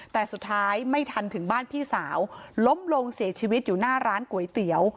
แต่สุดท้ายไม่ทันถึงบ้านพี่สาวล้มลงเสียชีวิตอยู่หน้าร้านก๋วยเตี๋ยว